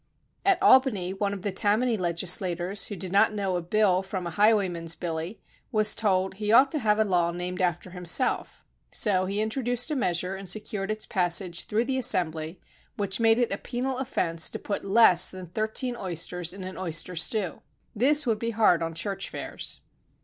At Albany one of the Tammany legisla tors who did not know a bill from a high wayman's billy, was told he ought to have a law named after himself; so he introduced a measure and secured its passage through the Assembly which made it a penal offense to put less than thirteen oysters in an oyster stew. This would be hard on church fairs.